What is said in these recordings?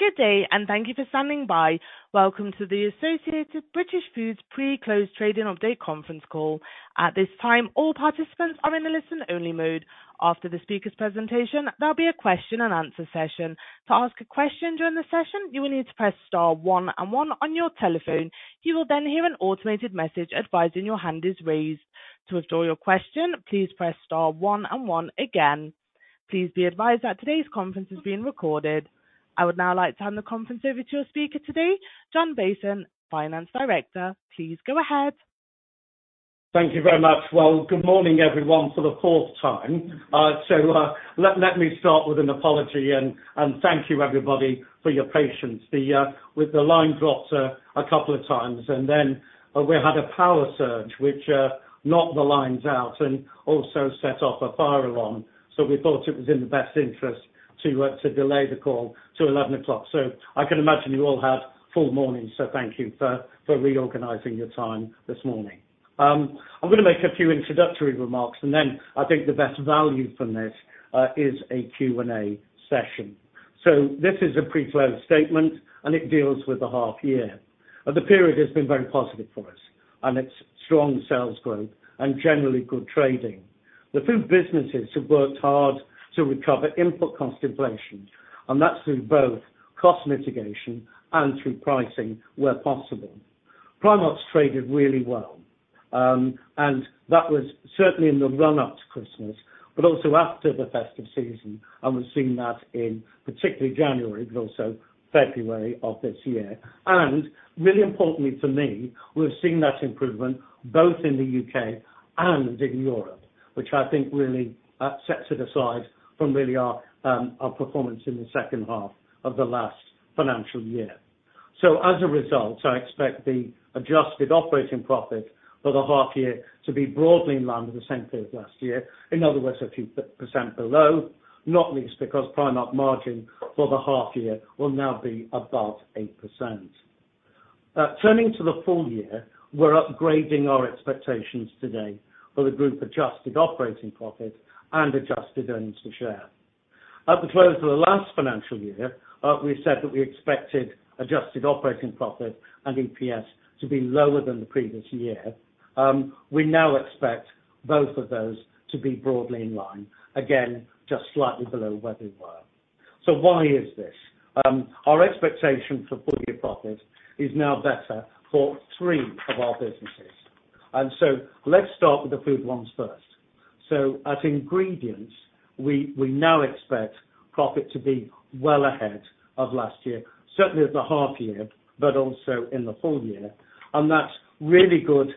Good day, thank you for standing by. Welcome to the Associated British Foods pre-close trading update conference call. At this time, all participants are in a listen only mode. After the speaker's presentation, there'll be a question and answer session. To ask a question during the session, you will need to press star one and one on your telephone. You will then hear an automated message advising your hand is raised. To withdraw your question, please press star one and one again. Please be advised that today's conference is being recorded. I would now like to hand the conference over to our speaker today, John Bason, Finance Director. Please go ahead. Thank you very much. Well, good morning, everyone, for the fourth time. Let me start with an apology and thank you everybody for your patience. The with the line dropped a couple of times, and then we had a power surge, which knocked the lines out and also set off a fire alarm, so we thought it was in the best interest to delay the call to 11:00 A.M. I can imagine you all had full mornings, so thank you for reorganizing your time this morning. I'm gonna make a few introductory remarks, and then I think the best value from this is a Q&A session. This is a pre-closed statement, and it deals with the half year. The period has been very positive for us in its strong sales growth and generally good trading. The food businesses have worked hard to recover input cost inflation, and that's through both cost mitigation and through pricing where possible. Primark's traded really well, and that was certainly in the run up to Christmas, but also after the festive season, and we've seen that in particularly January, but also February of this year. Really importantly to me, we've seen that improvement both in the U.K. and in Europe, which I think really sets it aside from really our performance in the second half of the last financial year. As a result, I expect the adjusted operating profit for the half year to be broadly in line with the same period last year. In other words, a few percent below, not least because Primark margin for the half year will now be above 8%. Turning to the full year, we're upgrading our expectations today for the group adjusted operating profit and adjusted earnings per share. At the close of the last financial year, we said that we expected adjusted operating profit and EPS to be lower than the previous year. We now expect both of those to be broadly in line, again, just slightly below where they were. Why is this? Our expectation for full year profit is now better for three of our businesses. Let's start with the food ones first. At Ingredients, we now expect profit to be well ahead of last year, certainly at the half year, but also in the full year. That's really good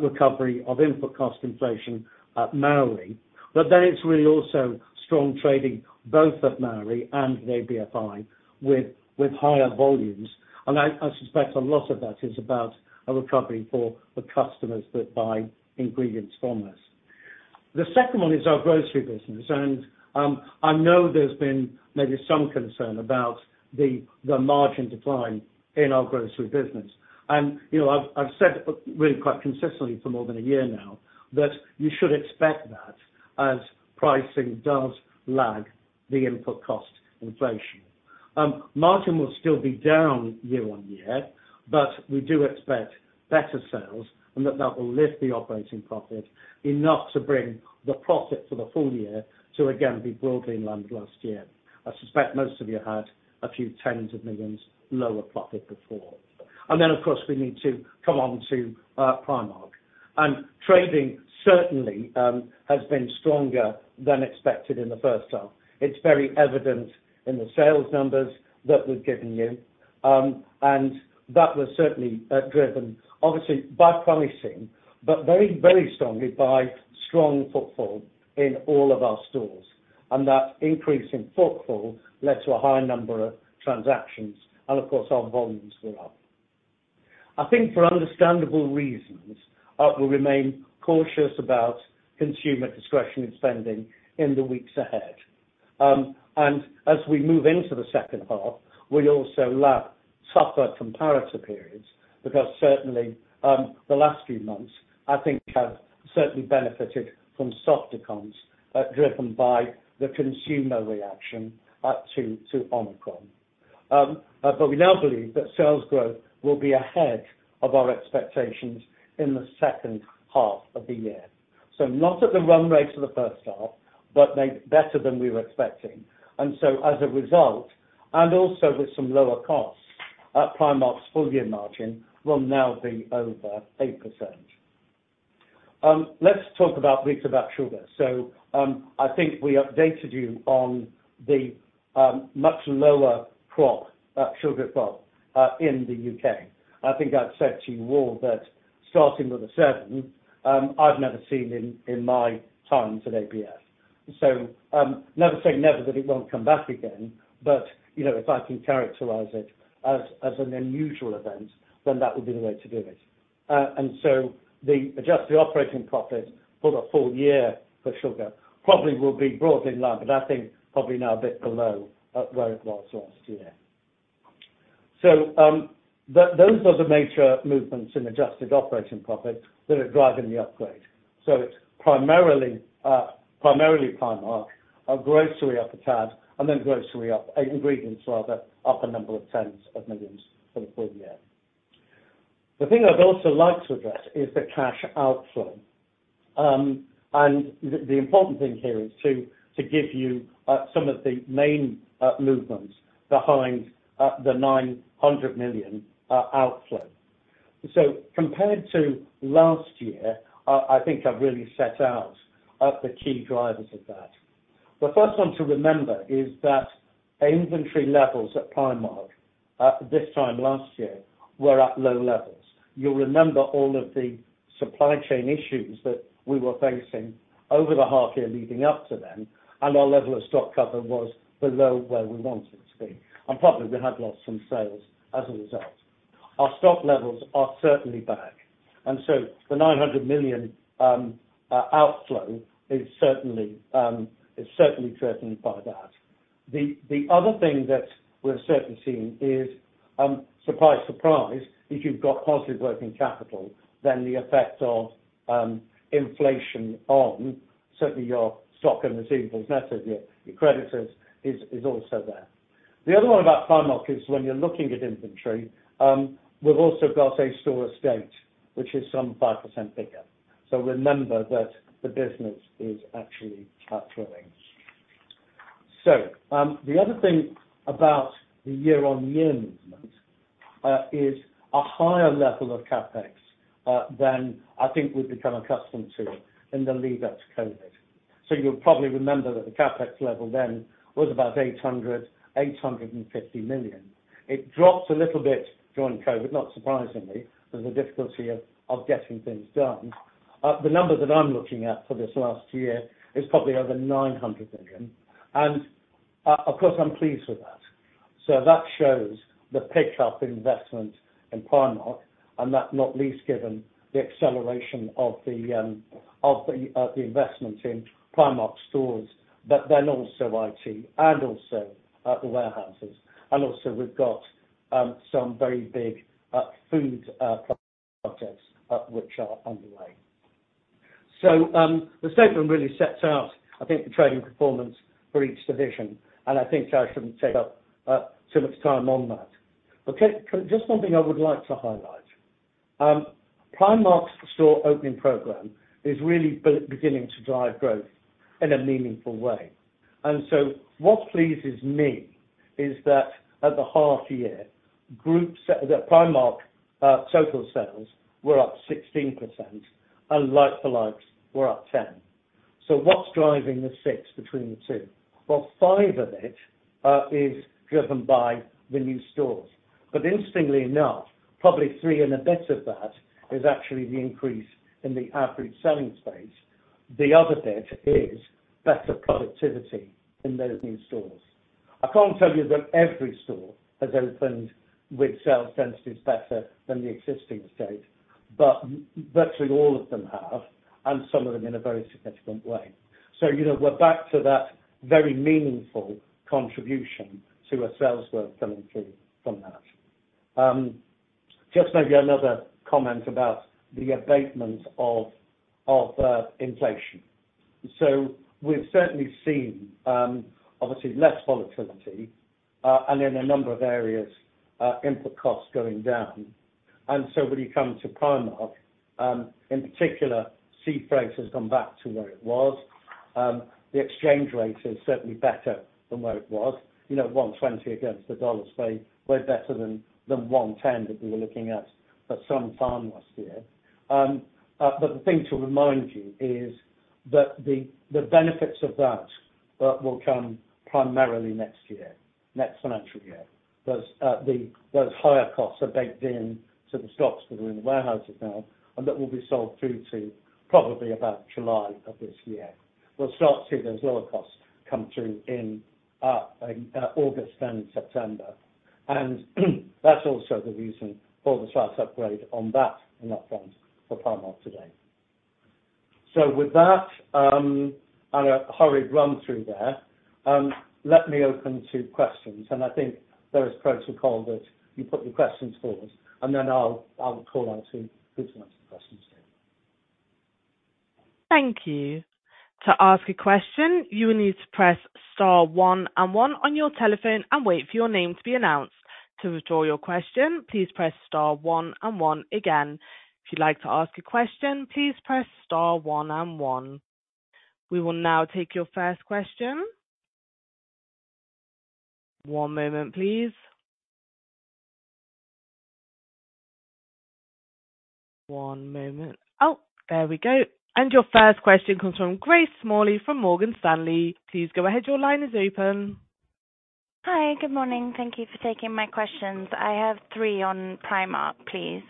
recovery of input cost inflation at AB Mauri. It's really also strong trading both at AB Mauri and ABFI with higher volumes. I suspect a lot of that is about a recovery for the customers that buy ingredients from us. The second one is our grocery business, I know there's been maybe some concern about the margin decline in our grocery business. I've said really quite consistently for more than a year now that you should expect that as pricing does lag the input cost inflation. Margin will still be down year-on-year, but we do expect better sales and that will lift the operating profit enough to bring the profit for the full year to again be broadly in line with last year. I suspect most of you had a few tens of millions lower profit before. Then, of course, we need to come on to Primark. Trading certainly has been stronger than expected in the first half. It's very evident in the sales numbers that we've given you, and that was certainly driven obviously by pricing, but very, very strongly by strong footfall in all of our stores, and that increase in footfall led to a higher number of transactions and of course our volumes were up. I think for understandable reasons, we'll remain cautious about consumer discretionary spending in the weeks ahead. As we move into the second half, we also lap tougher comparator periods because certainly the last few months I think have certainly benefited from soft declines, driven by the consumer reaction to Omicron. We now believe that sales growth will be ahead of our expectations in the second half of the year. Not at the run rate for the first half, but better than we were expecting. As a result, and also with some lower costs, at Primark's full year margin will now be over 8%. Let's talk a bit about sugar. I think we updated you on the much lower crop, sugar crop, in the U.K. I think I've said to you all that starting with a seven, I've never seen in my times at ABF. Never say never that it won't come back again. If I can characterize it as an unusual event, then that would be the way to do it. The adjusted operating profit for the full year for sugar probably will be broadly in line, but I think probably now a bit below, where it was last year. Those are the major movements in adjusted operating profit that are driving the upgrade. It's primarily Primark, our grocery up a tad, and then grocery up, and ingredients rather, up a number of tens of millions for the full year. The thing I'd also like to address is the cash outflow. The important thing here is to give you some of the main movements behind the 900 million outflow. Compared to last year, I think I've really set out the key drivers of that. The first one to remember is that inventory levels at Primark, this time last year were at low levels. You'll remember all of the supply chain issues that we were facing over the half year leading up to then, and our level of stock cover was below where we wanted it to be. Probably we had lost some sales as a result. Our stock levels are certainly back. The 900 million outflow is certainly driven by that. The other thing that we're certainly seeing is, surprise, if you've got positive working capital, then the effect of inflation on certainly your stock and receivables, net of your creditors is also there. The other one about Primark is when you're looking at inventory, we've also got a store estate which is some 5% bigger. Remember that the business is actually growing. The other thing about the year-on-year movement is a higher level of CapEx than I think we've become accustomed to in the lead up to COVID. You'll probably remember that the CapEx level then was about 800 million, 850 million. It dropped a little bit during COVID, not surprisingly, because of the difficulty of getting things done. The number that I'm looking at for this last year is probably over 900 million. Of course, I'm pleased with that. That shows the pick up in investment in Primark, and that not least given the acceleration of the investment in Primark stores, but then also IT and also the warehouses. Also we've got some very big food projects which are underway. The statement really sets out, I think, the trading performance for each division, and I think I shouldn't take up too much time on that. Okay. Just one thing I would like to highlight. Primark's store opening program is really beginning to drive growth in a meaningful way. What pleases me is that at the half year, The Primark total sales were up 16% and like-for-likes were up 10. What's driving the fix between the two? Well, five of it is driven by the new stores. Interestingly enough, probably three and a bit of that is actually the increase in the average selling space. The other bit is better productivity in those new stores. I can't tell you that every store has opened with sales densities better than the existing state, but virtually all of them have, and some of them in a very significant way. We're back to that very meaningful contribution to our sales were coming through from that. Just maybe another comment about the abatement of inflation. We've certainly seen obviously less volatility, and in a number of areas, input costs going down. When you come to Primark, in particular, sea freight has come back to where it was. The exchange rate is certainly better than where it was one twenty against the USD today. We're better than one ten that we were looking at for some time last year. The thing to remind you is that the benefits of that will come primarily next year, next financial year. Those higher costs are baked in to the stocks that are in the warehouses now, and that will be sold through to probably about July of this year. We'll start to see those lower costs come through in August and September. That's also the reason for the slight upgrade on that and upfront for Primark today. With that, and a hurried run through there, let me open to questions, and I think there is protocol that you put your questions for us, and then I'll call out to who to answer the questions to. Thank you. To ask a question, you will need to press star one and one on your telephone and wait for your name to be announced. To withdraw your question, please press star one and one again. If you'd like to ask a question, please press star one and one. We will now take your first question. One moment, please. One moment. Oh, there we go. Your first question comes from Grace Smalley from Morgan Stanley. Please go ahead. Your line is open. Hi. Good morning. Thank you for taking my questions. I have three on Primark, please.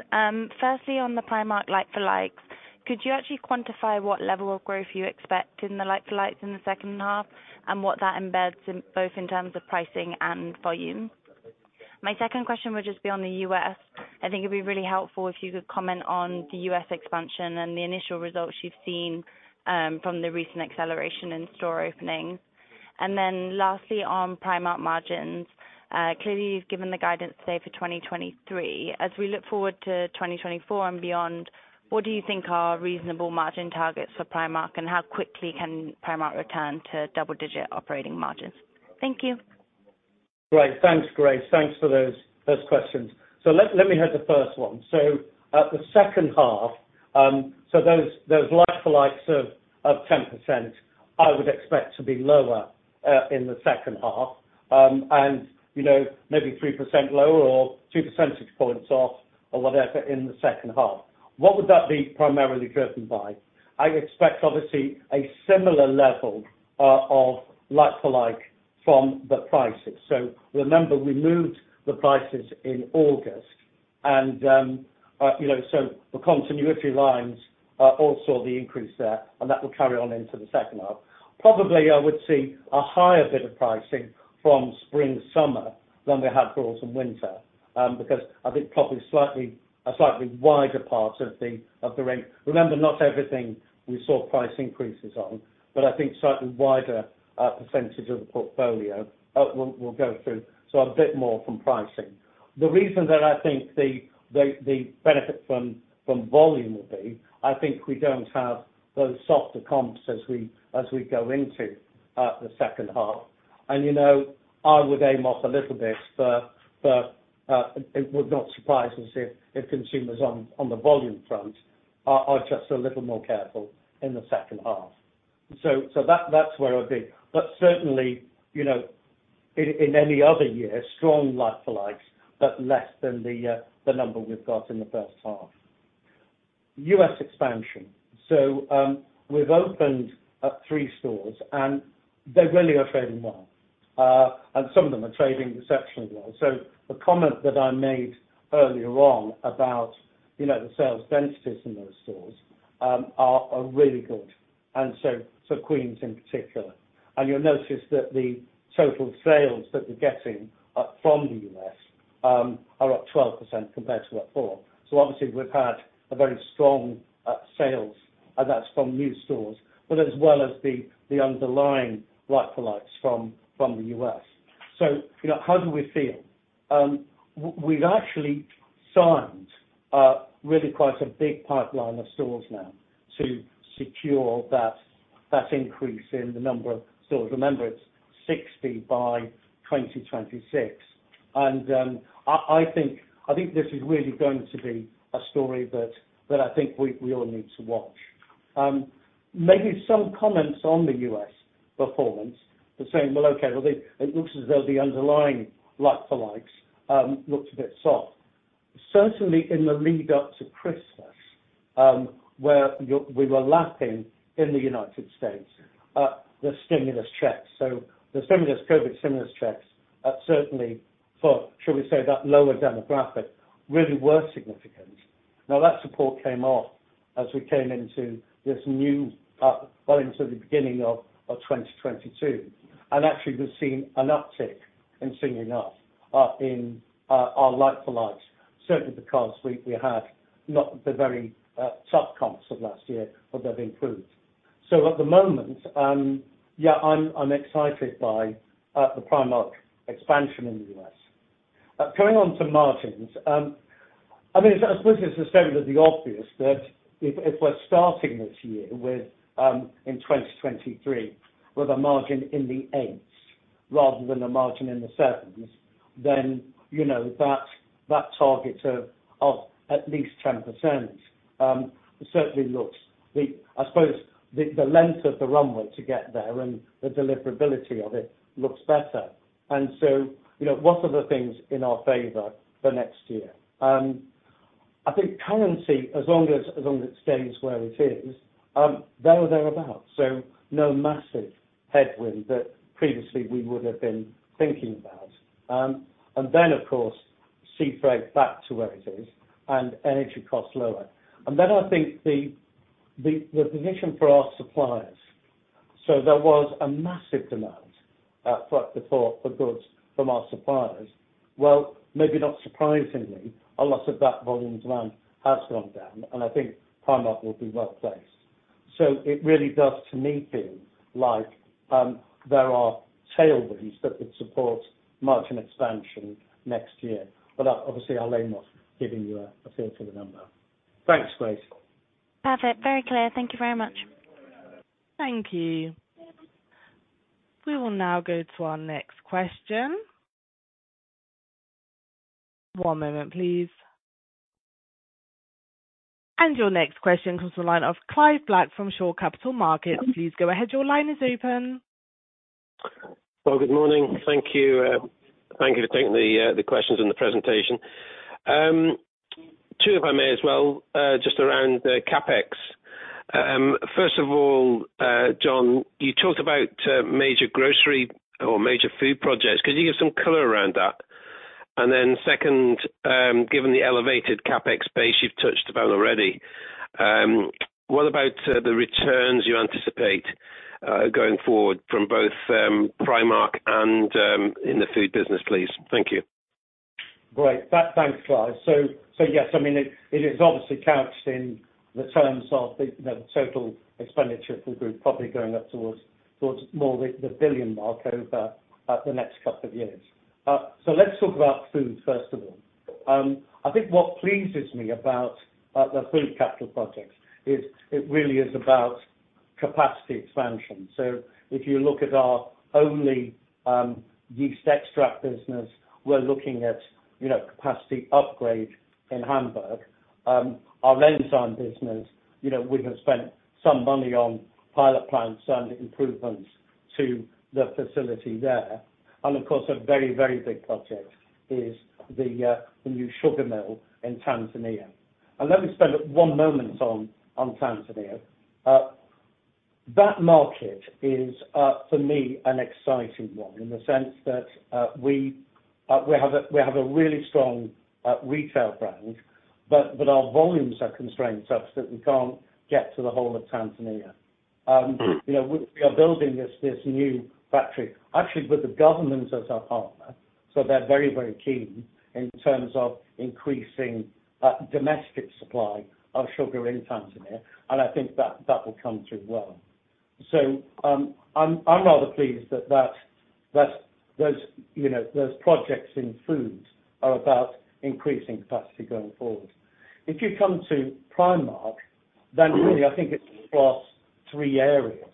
Firstly, on the Primark like-for-likes, could you actually quantify what level of growth you expect in the like-for-likes in the second half, and what that embeds in both in terms of pricing and volume? My second question would just be on the U.S. I think it'd be really helpful if you could comment on the U.S. expansion and the initial results you've seen from the recent acceleration in store openings. Lastly, on Primark margins, clearly you've given the guidance today for 2023. As we look forward to 2024 and beyond, what do you think are reasonable margin targets for Primark, and how quickly can Primark return to double-digit operating margins? Thank you. Great. Thanks, Grace. Thanks for those questions. Let me hit the first one. The second half, so those like-for-likes of 10%, I would expect to be lower in the second half, and maybe 3% lower or 2 percentage points off or whatever in the second half. What would that be primarily driven by? I expect, obviously, a similar level of like-for-like from the prices. Remember, we moved the prices in August, and so the continuity lines all saw the increase there, and that will carry on into the second half. Probably, I would see a higher bit of pricing from spring/summer than we had for autumn/winter, because I think probably a slightly wider part of the range. Remember, not everything we saw price increases on, but I think slightly wider % of the portfolio will go through, so a bit more from pricing. The reason that I think the benefit from volume will be, I think we don't have those softer comps as we go into the second half. I would aim off a little bit, but it would not surprise us if consumers on the volume front are just a little more careful in the second half. That's where I'd be. Certainly, in any other year, strong like-for-likes, but less than the number we've got in the first half. U.S. expansion. We've opened up three stores, and they really are trading well. Some of them are trading exceptionally well. The comment that I made earlier on about the sales densities in those stores are really good, and Queens in particular. You'll notice that the total sales that we're getting from the U.S. are up 12% compared to at 4%. Obviously we've had a very strong sales, and that's from new stores, but as well as the underlying like-for-likes from the U.S. How do we feel? We've actually signed really quite a big pipeline of stores now to secure that increase in the number of stores. Remember, it's 60 by 2026. I think this is really going to be a story that I think we all need to watch. Maybe some comments on the U.S. performance are saying, "Well, okay, well, it looks as though the underlying like-for-likes looks a bit soft." Certainly in the lead up to Christmas, where we were lapping in the United States, the stimulus checks. The stimulus, COVID stimulus checks, certainly for, shall we say, that lower demographic, really were significant. Now, that support came off as we came into this new, well into the beginning of 2022. Actually, we've seen an uptick in same and half in our like-for-likes, certainly because we had not the very tough comps of last year, but they've improved. At the moment, yeah, I'm excited by the Primark expansion in the U.S. Coming on to margins, I mean, I suppose it's a statement of the obvious that if we're starting this year with, in 2023, with a margin in the eights rather than a margin in the sevens, then that target of at least 10%, certainly looks the. I suppose the length of the runway to get there and the deliverability of it looks better. So what are the things in our favor for next year? I think currency, as long as long as it stays where it is, there or thereabout. So no massive headwind that previously we would have been thinking about. Then of course, sea freight back to where it is and energy costs lower. Then I think the position for our suppliers. There was a massive demand for goods from our suppliers. Maybe not surprisingly, a lot of that volume demand has gone down, and I think Primark will be well placed. It really does to me feel like there are tailwinds that could support margin expansion next year. Obviously I'll aim off giving you a feel to the number. Thanks, Grace. Perfect. Very clear. Thank you very much. Thank you. We will now go to our next question. One moment please. Your next question comes from the line of Clive Black from Shore Capital Markets. Please go ahead. Your line is open. Well, good morning. Thank you. Thank you for taking the questions and the presentation. Two if I may as well, just around the CapEx. First of all, John, you talked about major grocery or major food projects. Could you give some color around that? Second, given the elevated CapEx base you've touched about already, what about the returns you anticipate going forward from both Primark and in the food business, please? Thank you. Great. Thanks, Clive. Yes, I mean it is obviously couched in the terms of the total expenditure of the group, probably going up towards more the 1 billion mark over the next two years. Let's talk about food first of all. I think what pleases me about the food capital projects is it really is about capacity expansion. So if you look at our Ohly yeast extract business, we're looking at capacity upgrade in Hamburg. Our lens on business we have spent some money on pilot plants and improvements to the facility there. Of course, a very, very big project is the new sugar mill in Tanzania. Let me spend one moment on Tanzania. For me, an exciting one in the sense that we have a really strong, uh, retail brand, but our volumes are constrained such that we can't get to the whole of Tanzania. we are building this new factory, actually with the government as our partner, so they're very, very keen in terms of increasing, uh, domestic supply of sugar in Tanzania, and I think that will come through well. So, I'm rather pleased that, that there's those projects in food are about increasing capacity going forward. If you come to Primark, then really I think it's across three areas.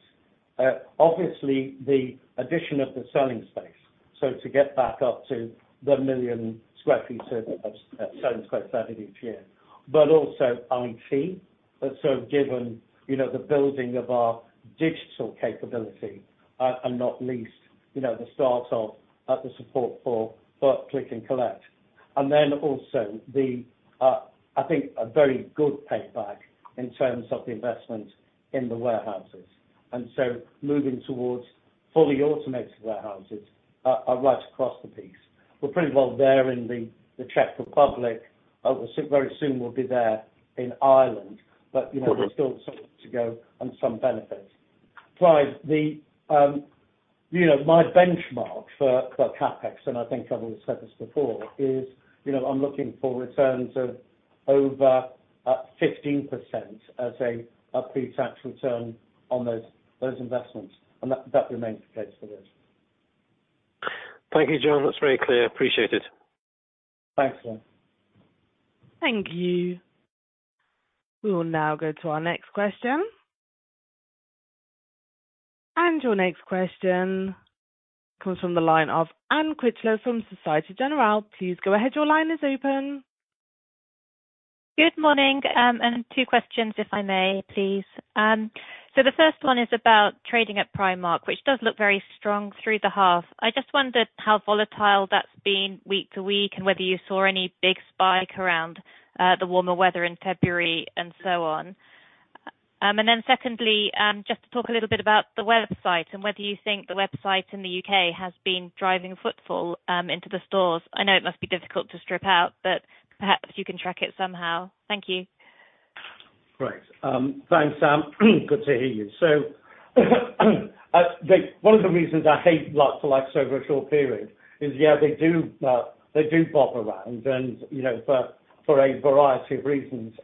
Obviously the addition of the selling space, so to get back up to the million square feet of selling square footage each year, but also IT. Given the building of our digital capability, not least the start of the support for Click & Collect. Also, I think a very good payback in terms of the investment in the warehouses. Moving towards fully automated warehouses are right across the piece. We're pretty well there in the Czech Republic. Very soon we'll be there in Ireland, but there's still some to go on some benefits. Clive my benchmark for CapEx, and I think I've always said this before, is I'm looking for returns of over 15% as a pre-tax return on those investments. That remains the case for this. Thank you, John. That's very clear. Appreciate it. Thanks, Clive. Thank you. We will now go to our next question. Your next question comes from the line of Anne Critchlow from Société Générale. Please go ahead. Your line is open. Good morning. Two questions if I may, please. The first one is about trading at Primark, which does look very strong through the half. I just wondered how volatile that's been week to week, and whether you saw any big spike around the warmer weather in February and so on. Secondly, just to talk a little bit about the website and whether you think the website in the U.K. has been driving footfall into the stores. I know it must be difficult to strip out, but perhaps you can track it somehow. Thank you. Right. Thanks, Anne. Good to hear you. One of the reasons I hate like-for-like over a short period is, yeah, they do bob around and for a variety of reasons.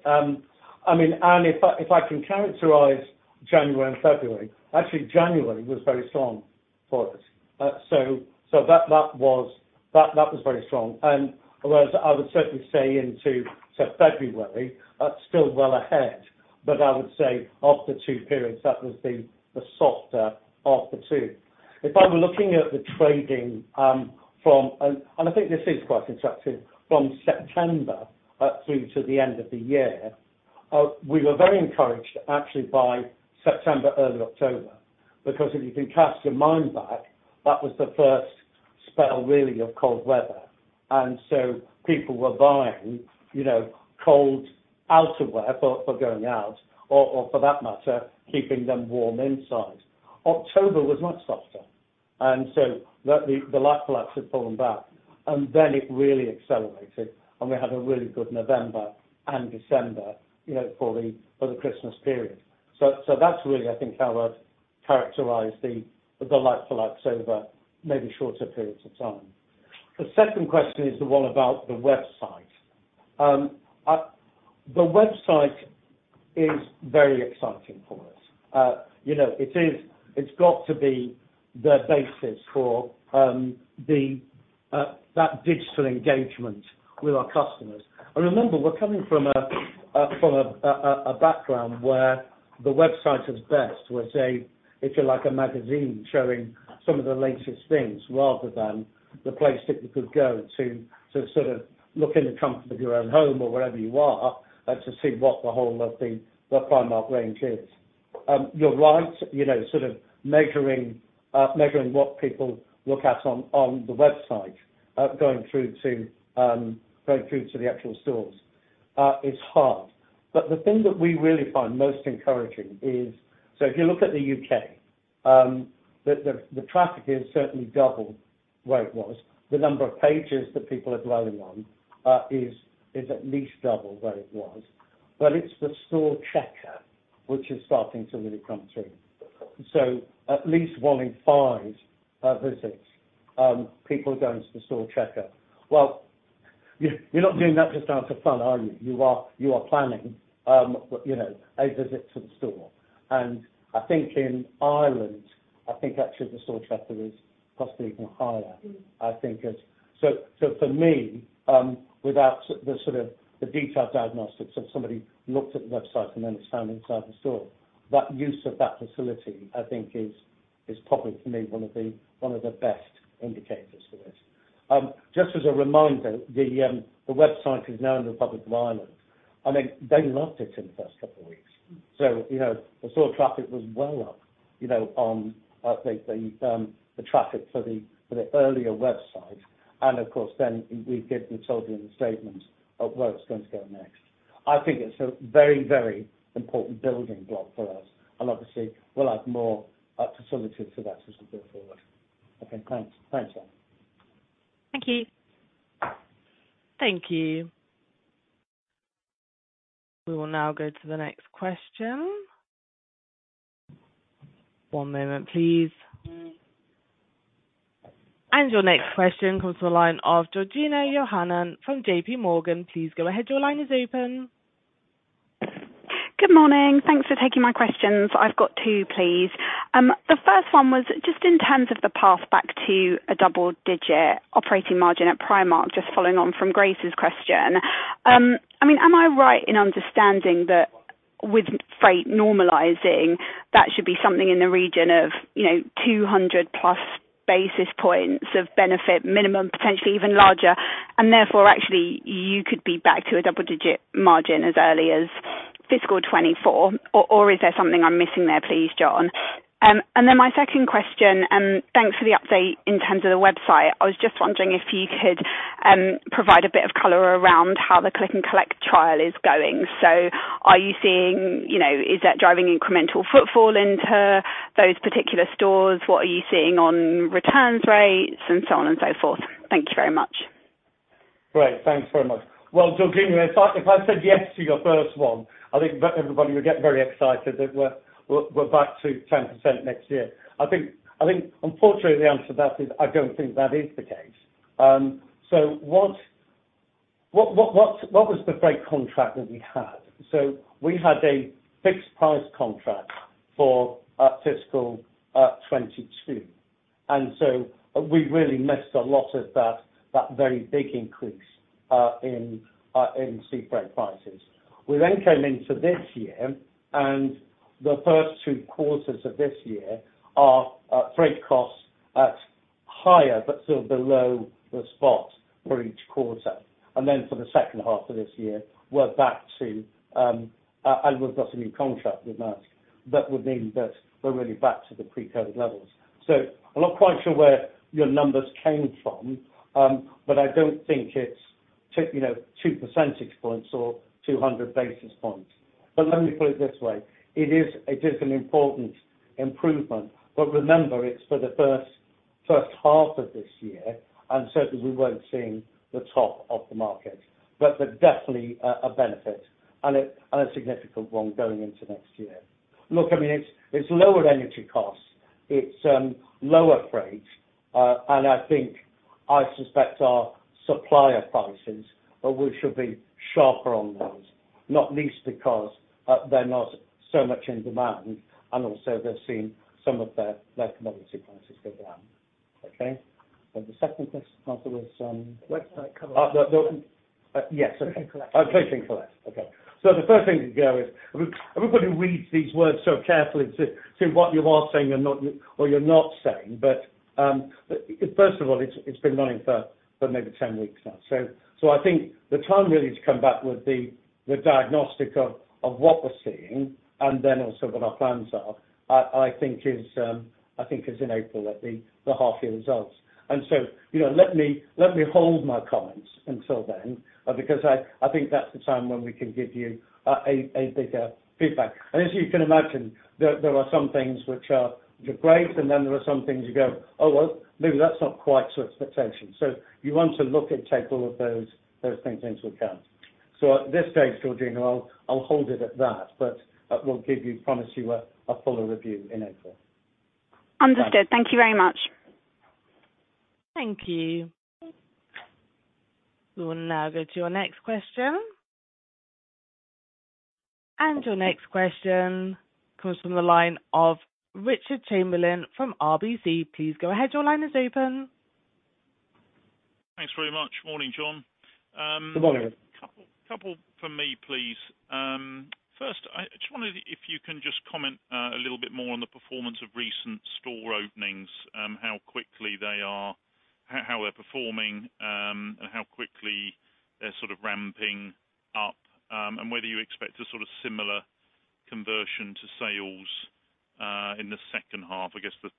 I mean, Anne, if I can characterize January and February, actually January was very strong for us. That was very strong. Whereas I would certainly say into February, still well ahead, but I would say of the two periods, that was the softer of the two. If I'm looking at the trading, from, and I think this is quite instructive, from September, through to the end of the year, we were very encouraged actually by September, early October, because if you can cast your mind back, that was the first spell really of cold weather. People were buying cold outerwear for going out or for that matter, keeping them warm inside. October was much softer. The like-for-like had fallen back. It really accelerated. We had a really good November and December or the Christmas period. That's really, I think, how I'd characterize the like-for-like over maybe shorter periods of time. The second question is the one about the website. The website is very exciting for us. It's got to be the basis for the that digital engagement with our customers. Remember, we're coming from a background where the website is best. We'll say if you like a magazine showing some of the latest things rather than the place that you could go to sort of look in the comfort of your own home or wherever you are, to see what the whole of the Primark range is. You're right, you know, sort of measuring what people look at on the website, going through to the actual stores, is hard. The thing that we really find most encouraging is, if you look at the U.K., the traffic has certainly doubled where it was. The number of pages that people are loading on is at least double what it was. It's the store checker which is starting to really come through. At least one in five visits, people are going to the store checker. Well, you're not doing that just out of fun, are you? You are planning a visit to the store. I think in Ireland, I think actually the store checker is possibly even higher. So for me, without the sort of the detailed diagnostics of somebody who looked at the website and then standing inside the store, that use of that facility, I think is probably for me, one of the best indicators for this. Just as a reminder, the website is now in the Republic of Ireland. I mean, they loved it in the first couple of weeks. You know, the store traffic was well up on I think the traffic for the earlier website. Of course then we did, we told you in the statement of where it's going to go next. I think it's a very, very important building block for us. Obviously we'll add more facilities to that as we go forward. Okay, thanks. Thanks, Sarah. Thank you. Thank you. We will now go to the next question. One moment please. Your next question comes to the line of Georgina Johanan from JPMorgan. Please go ahead. Your line is open. Good morning. Thanks for taking my questions. I've got two, please. The first one was just in terms of the path back to a double-digit operating margin at Primark, just following on from Grace's question. I mean, am I right in understanding that with freight normalizing, that should be something in the region of 200+ basis points of benefit minimum, potentially even larger, and therefore actually you could be back to a double-digit margin as early as fiscal 2024 or is there something I'm missing there, please, John? My second question, thanks for the update in terms of the website. I was just wondering if you could provide a bit of color around how the Click & Collect trial is going. Are you seeing, you know, is that driving incremental footfall into those particular stores? What are you seeing on returns rates and so on and so forth? Thank you very much. Great. Thanks very much. Well, Georgina, if I said yes to your first one, I think that everybody would get very excited that we're back to 10% next year. I think unfortunately the answer to that is I don't think that is the case. What was the freight contract that we had? We had a fixed price contract for fiscal 2022. We really missed a lot of that very big increase in sea freight prices. We then came into this year and the first two quarters of this year are freight costs at higher, but still below the spot for each quarter. For the second half of this year, we're back to, and we've got a new contract with Maersk. That would mean that we're really back to the pre-COVID levels. I'm not quite sure where your numbers came from, but I don't think it's 2 percentage points or 200 basis points. Let me put it this way, it is an important improvement, but remember it's for the first half of this year. Certainly we weren't seeing the top of the market, but there's definitely a benefit and a significant one going into next year. I mean, it's lower energy costs, it's lower freight, and I think I suspect our supplier prices, we should be sharper on those, not least because, they're not so much in demand and also they've seen some of their commodity prices go down. Okay. The second question was. Website cover- Yes. Click & Collect. Click & Collect. Okay. The first thing to go is everybody reads these words so carefully to what you are saying and not, or you're not saying. First of all, it's been running for maybe 10 weeks now. I think the time really to come back with the diagnostic of what we're seeing and then also what our plans are, I think is in April at the half year results. Let me hold my comments until then, because I think that's the time when we can give you a bigger feedback. As you can imagine, there are some things which are great, and then there are some things you go, "Oh, well, maybe that's not quite to expectation." You want to look and take all of those things into account. At this stage, Georgina, I'll hold it at that, but we'll give you, promise you a fuller review in April. Understood. Thank you very much. Thank you. We will now go to your next question. Your next question comes from the line of Richard Chamberlain from RBC. Please go ahead. Your line is open. Thanks very much. Morning, John. Good morning. A couple for me, please. First, I just wondered if you can just comment a little bit more on the performance of recent store openings, how quickly they are performing, and how quickly they're sort of ramping up, and whether you expect a sort of similar conversion to sales in the second half. I guess the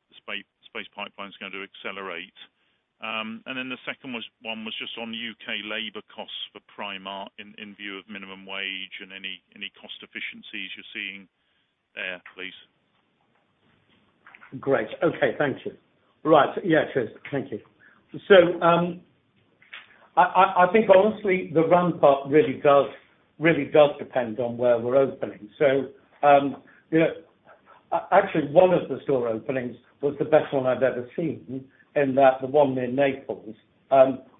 space pipeline's going to accelerate. The second one was just on U.K. labor costs for Primark in view of minimum wage and any cost efficiencies you're seeing there, please. Great. Okay. Thank you. Right. Yeah. Thank you. I think honestly, the ramp-up really does depend on where we're opening. You know, actually one of the store openings was the best one I'd ever seen, in that the one near Naples,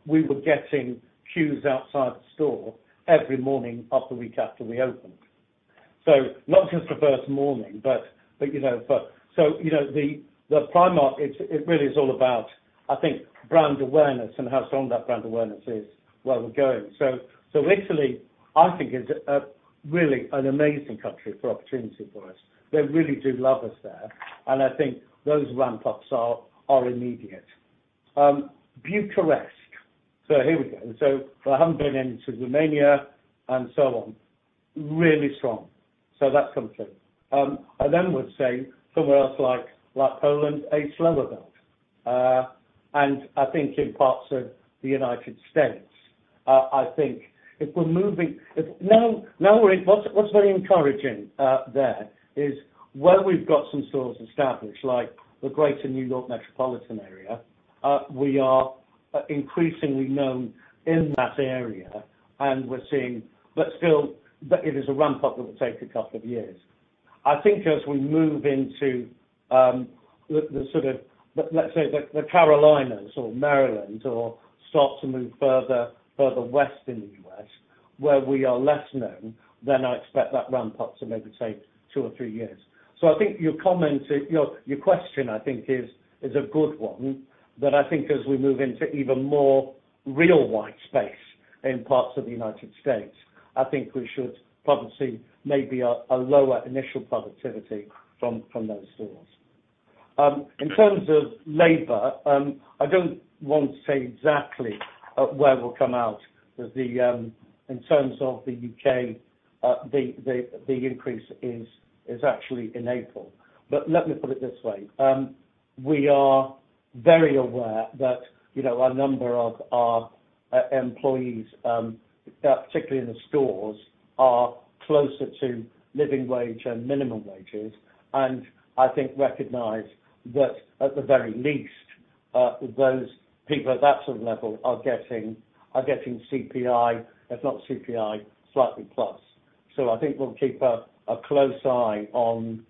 we were getting queues outside the store every morning of the week after we opened. Not just the first morning, you know, the Primark, it really is all about, I think, brand awareness and how strong that brand awareness is where we're going. Italy, I think is a really an amazing country for opportunity for us. They really do love us there, and I think those ramp-ups are immediate. Bucharest, here we go. I haven't been into Romania and so on. Really strong. That's something. I then would say somewhere else like Poland, a slow event. I think in parts of the United States, I think if we're moving. What's very encouraging, there is where we've got some stores established, like the greater New York metropolitan area, we are increasingly known in that area, and we're seeing. Still, but it is a ramp-up that will take a couple of years. I think as we move into, the sort of, let's say the Carolinas or Maryland or start to move further west in the U.S. where we are less known, then I expect that ramp-up to maybe take two or three years. I think your comment, your question I think is a good one. I think as we move into even more real white space in parts of the United States, I think we should probably see maybe a lower initial productivity from those stores. In terms of labor, I don't want to say exactly where we'll come out with the in terms of the U.K., the increase is actually in April. Let me put it this way, we are very aware that a number of our employees, particularly in the stores, are closer to living wage and minimum wages, and I think recognize that at the very least, those people at that sort of level are getting CPI, if not CPI, slightly plus. I think we'll keep a close eye on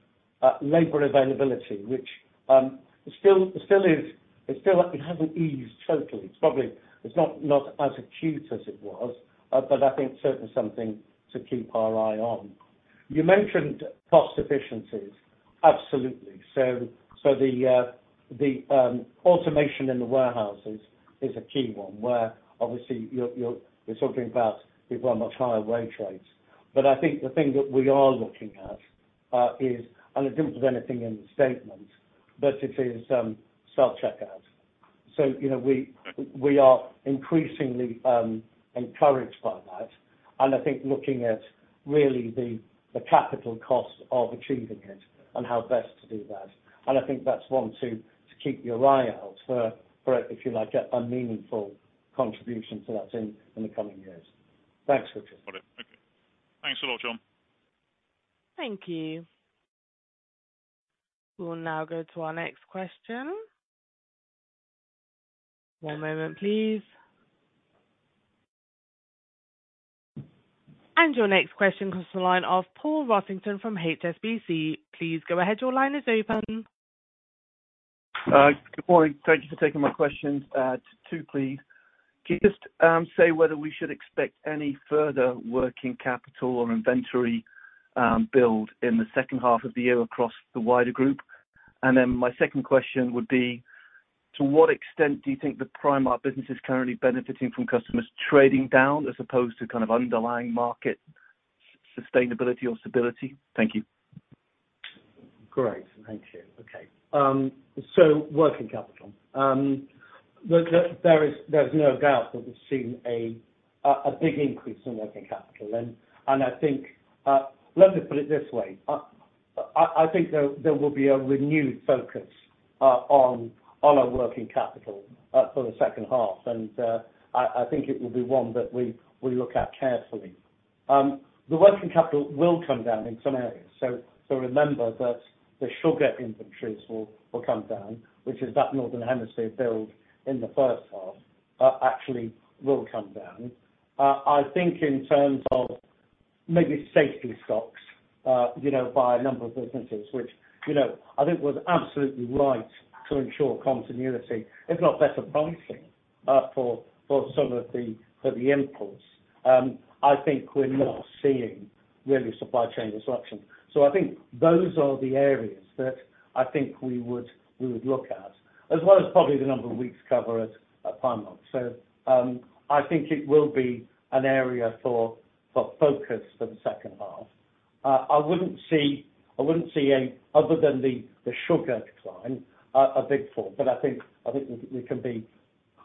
labor availability, which it still is, it hasn't eased totally. It's probably, it's not as acute as it was, but I think certainly something to keep our eye on. You mentioned cost efficiencies. Absolutely. The automation in the warehouses is a key one where obviously you're talking about people on much higher wage rates. I think the thing that we are looking at is, and I didn't put anything in the statement, but it is self-checkout. You know, we are increasingly encouraged by that, and I think looking at really the capital cost of achieving it and how best to do that. I think that's one to keep your eye out for, if you like, a meaningful contribution to that in the coming years. Thanks, Richard. Got it. Okay. Thanks a lot, John. Thank you. We'll now go to our next question. One moment please. Your next question comes from the line of Paul Rossington from HSBC. Please go ahead. Your line is open. Good morning. Thank you for taking my questions. Two please. Can you just say whether we should expect any further working capital or inventory build in the second half of the year across the wider group? My second question would be, to what extent do you think the Primark business is currently benefiting from customers trading down as opposed to kind of underlying market sustainability or stability? Thank you. Great. Thank you. Okay. working capital. The, there is, there's no doubt that we've seen a big increase in working capital and I think, let me put it this way. I think there will be a renewed focus on our working capital for the second half. I think it will be one that we look at carefully. The working capital will come down in some areas. Remember that the sugar inventories will come down, which is that Northern Hemisphere build in the first half, actually will come down. I think in terms of maybe safety stocks, you know, by a number of businesses which, you know, I think was absolutely right to ensure continuity, if not better pricing, for some of the, for the imports. I think we're not seeing really supply chain disruptions. I think those are the areas that I think we would look at, as well as probably the number of weeks cover at Primark. I think it will be an area for focus for the second half. I wouldn't see a, other than the sugar decline, a big fall.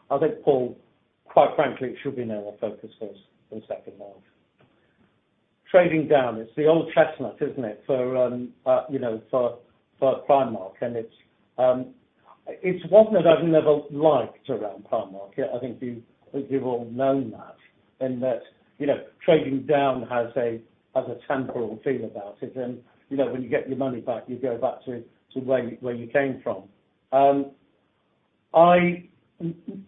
I think, Paul, quite frankly, it should be an area of focus for us in the second half. Trading down, it's the old chestnut, isn't it for Primark? It's one that I've never liked around Primark. I think you, I think you've all known that. In that trading down has a temporal feel about it. You know, when you get your money back, you go back to where you came from.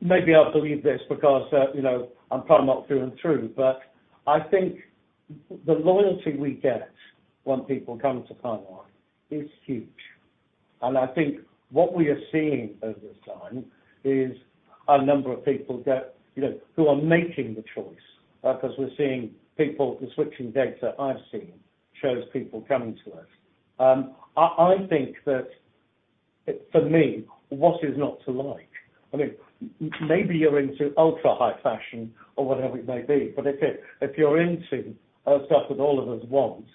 Maybe I believe this because, you know, I'm Primark through and through, but I think the loyalty we get when people come to Primark is huge. I think what we are seeing over time is a number of people that, you know, who are making the choice. 'Cause we're seeing people, the switching data I've seen shows people coming to us. I think that for me, what is not to like? I mean, maybe you're into ultra-high fashion or whatever it may be, but if you're into stuff that all of us want,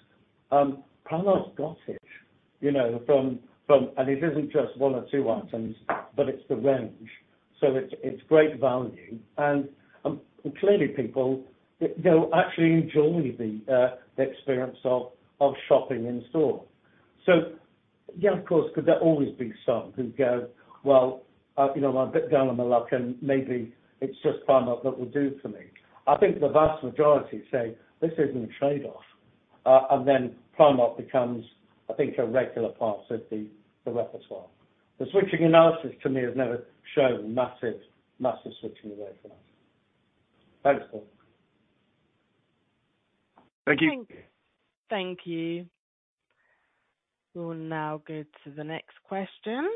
Primark's got it. You know, from. It isn't just one or two items, but it's the range. It's great value, and clearly people, they'll actually enjoy the experience of shopping in store. Yeah, of course, could there always be some who go, "Well, you know, I'm a bit down on my luck, and maybe it's just Primark that will do for me." I think the vast majority say, this isn't a trade-off, and Primark becomes, I think, a regular part of the repertoire. The switching analysis to me has never shown massive switching away from us. Thanks, John. Thank you. Thank you. We will now go to the next question.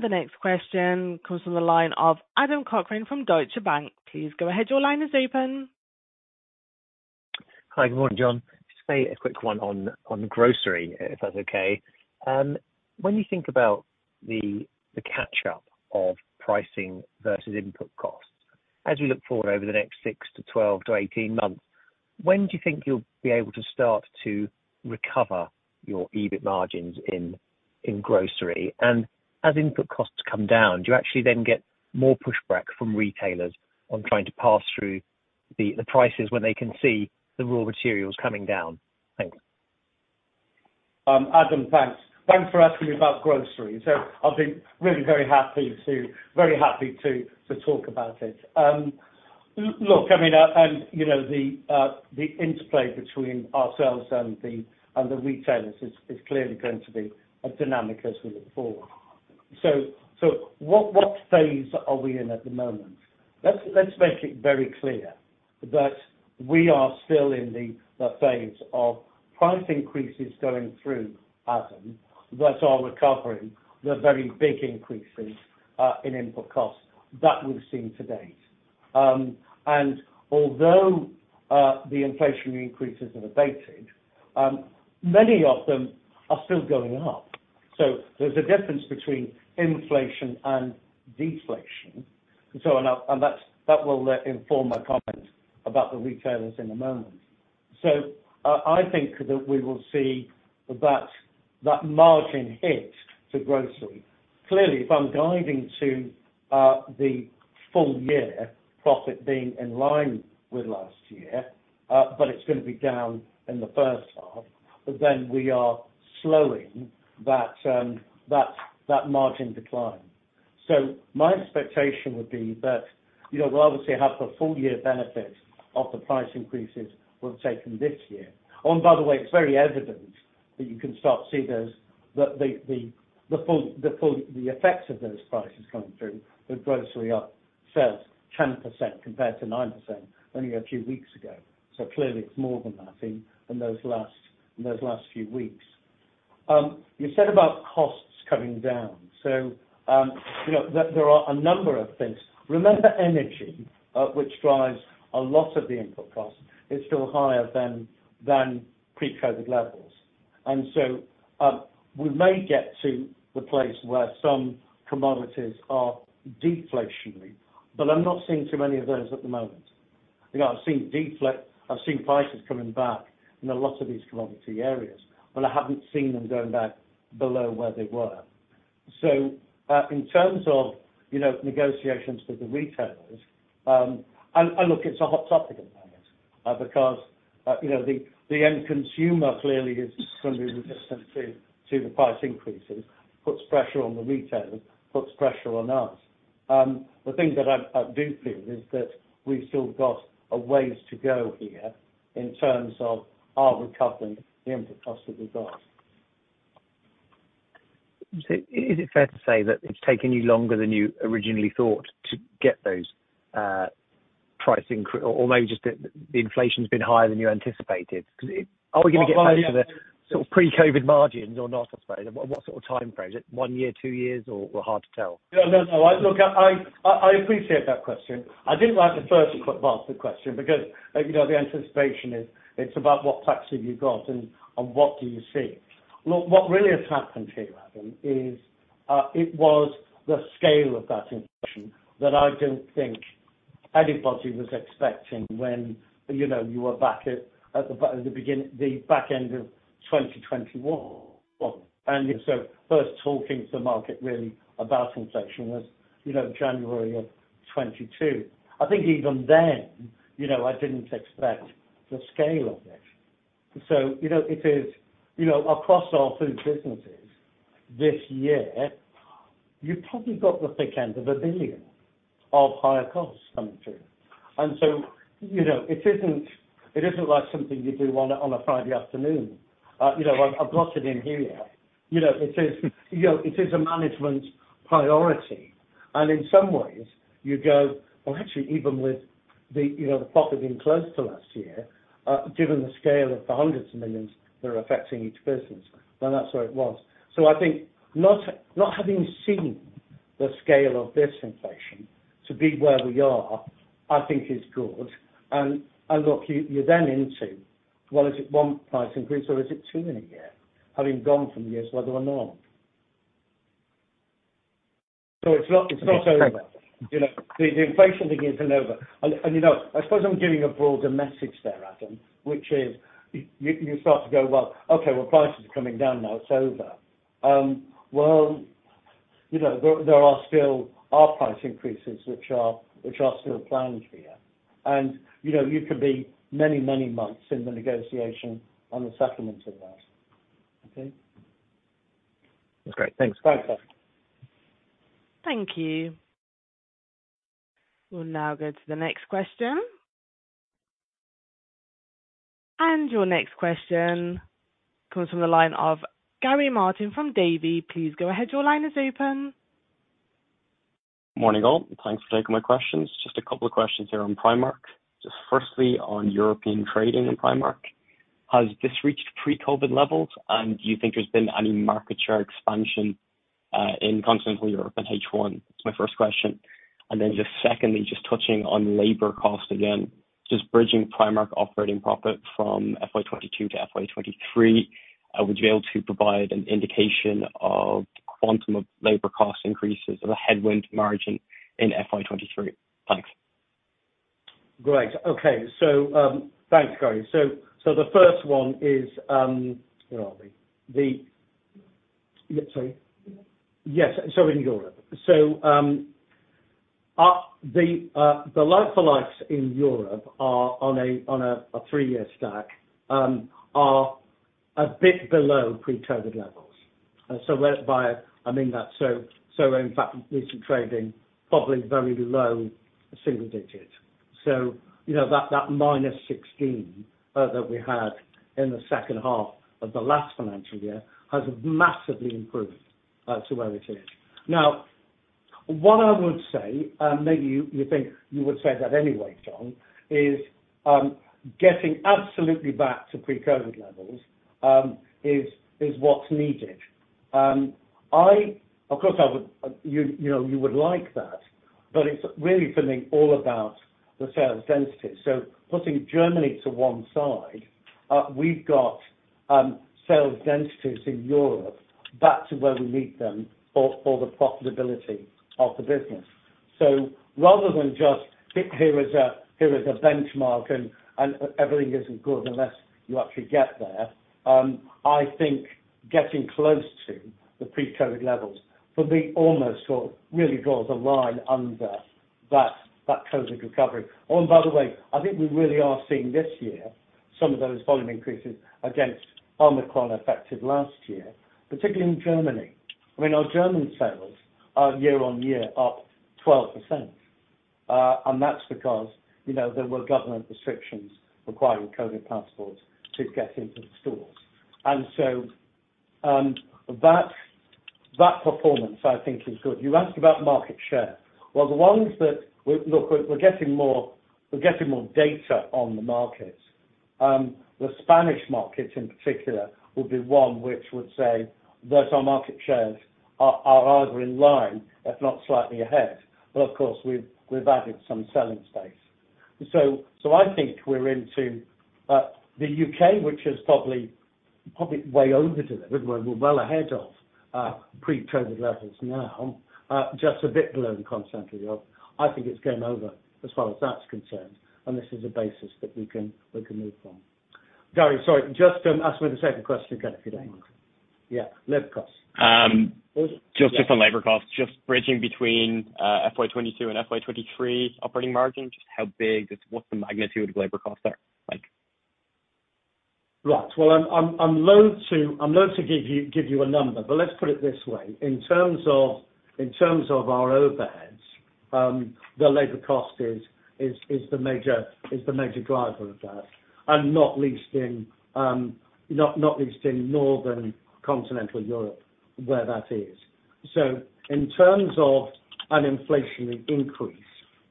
The next question comes from the line of Adam Cochrane from Deutsche Bank. Please go ahead. Your line is open. Hi. Good morning, John. Just maybe a quick one on grocery, if that's okay? When you think about the catch up of pricing versus input costs, as we look forward over the next six to 12 to 18 months, when do you think you'll be able to start to recover your EBIT margins in grocery? As input costs come down, do you actually then get more pushback from retailers on trying to pass through the prices when they can see the raw materials coming down? Thanks. Adam, thanks. Thanks for asking me about grocery. I'll be really very happy to talk about it. Look, I mean, and the interplay between ourselves and the retailers is clearly going to be a dynamic as we look forward. What, what phase are we in at the moment? Let's, let's make it very clear that we are still in the phase of price increases going through, Adam, that are recovering the very big increases in input costs that we've seen to date. And although, the inflationary increases have abated, many of them are still going up. There's a difference between inflation and deflation. Now, and that's, that will inform my comment about the retailers in a moment. I think that we will see that margin hit to grocery. Clearly, if I'm guiding to the full year profit being in line with last year, but it's gonna be down in the first half, but then we are slowing that margin decline. My expectation would be that we'll obviously have the full year benefit of the price increases we've taken this year. Oh, and by the way, it's very evident that you can start to see those, the full effects of those prices coming through with grocery up sales 10% compared to 9% only a few weeks ago. Clearly it's more than that in those last few weeks. You said about costs coming down. You know, there are a number of things. Remember energy, which drives a lot of the input costs, is still higher than pre-COVID levels. We may get to the place where some commodities are deflationary, but I'm not seeing too many of those at the moment. You know, I've seen prices coming back in a lot of these commodity areas, but I haven't seen them going back below where they were. In terms of negotiations with the retailers, and look, it's a hot topic at the moment, because the end consumer clearly is going to be resistant to the price increases, puts pressure on the retailer, puts pressure on us. The thing that I do feel is that we've still got a ways to go here in terms of our recovering the input costs that we've got. Is it fair to say that it's taken you longer than you originally thought to get those price or maybe just the inflation's been higher than you anticipated? 'Cause Well, no, yeah. Are we gonna get back to the sort of pre-COVID margins or not, I suppose? What sort of time frame? Is it one year, two years, or hard to tell? No, no. I appreciate that question. I didn't like the first well, the question because the anticipation is it's about what pricing you've got and what do you see. Look, what really has happened here, Adam, is it was the scale of that inflation that I don't think anybody was expecting when you were back at the beginning, the back end of 2021. First talking to the market really about inflation was January of 2022. I think even then I didn't expect the scale of it. You know, it is across our food businesses this year, you've probably got the thick end of 1 billion of higher costs coming through. You know, it isn't, it isn't like something you do on a Friday afternoon. You know, I've got it in here yet. You know, it is a management priority, and in some ways you go, "Well, actually even with the profit being close to last year, given the scale of the GBP hundreds of millions that are affecting each business," well, that's where it was. I think not having seen the scale of this inflation to be where we are, I think is good and look, you're then into, well, is it one price increase or is it two in a year? Having gone from years whether or not. It's not, it's not over. You know, the inflation thing isn't over. You know, I suppose I'm giving a broader message there, Adam, which is you start to go, "Well, okay, well, prices are coming down now, it's over." Well, you know, there are still price increases, which are still planned for here. You know, you could be many, many months in the negotiation on the settlement of that. Okay. That's great. Thanks. Thanks, Adam. Thank you. We'll now go to the next question. Your next question comes from the line of Gary Martin from Davy. Please go ahead. Your line is open. Morning all. Thanks for taking my questions. Just a couple of questions here on Primark. Just firstly, on European trading in Primark, has this reached pre-COVID levels and do you think there's been any market share expansion in continental Europe in H1? That's my first question. Just secondly, just touching on labor cost again, just bridging Primark operating profit from FY 2022 to FY 2023, would you be able to provide an indication of the quantum of labor cost increases as a headwind margin in FY 2023? Thanks. Great. Okay. Thanks, Gary. The first one is. Where are we? Sorry. Yes. In Europe. The like-for-likes in Europe are on a three-year stack, are a bit below pre-COVID levels. Whereby I mean that, in fact recent trading probably very low single digit. You know, that -16% that we had in the second half of the last financial year has massively improved to where it is. Now, what I would say, and maybe you think you would say that anyway, John, is getting absolutely back to pre-COVID levels is what's needed. Of course I would, you know, you would like that, but it's really something all about the sales density. Putting Germany to one side, we've got sales densities in Europe back to where we need them for the profitability of the business. Rather than just here is a benchmark and everything isn't good unless you actually get there, I think getting close to the pre-COVID levels will be almost or really draws a line under that COVID recovery. By the way, I think we really are seeing this year some of those volume increases against Omicron affected last year, particularly in Germany. I mean, our German sales are year-on-year up 12%, and that's because, you know, there were government restrictions requiring COVID passports to get into the stores. That performance I think is good. You asked about market share. Well, the ones that we look, we're getting more data on the markets. The Spanish market in particular will be one which would say that our market shares are either in line, if not slightly ahead. Of course we've added some selling space. I think we're into the U.K., which is probably way over delivered. We're well ahead of pre-COVID levels now, just a bit below the continental Europe. I think it's game over as far as that's concerned. This is a basis that we can move from. Gary, sorry, just ask me the second question again, if you don't mind. Yeah, labor cost. Just different labor costs, just bridging between FY 2022 and FY 2023 operating margin, just how big what's the magnitude of labor costs are like? Well, I'm loath to give you a number, but let's put it this way. In terms of our overheads, the labor cost is the major driver of that, and not least in northern continental Europe where that is. In terms of an inflationary increase,